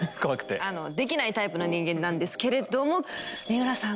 できないタイプの人間なんですけれども三浦さん